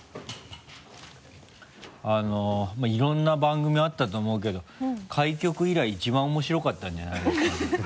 あのまぁいろんな番組あったと思うけど開局以来一番面白かったんじゃないですかね？